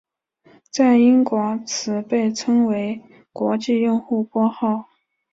在英国此被称为国际用户拨号。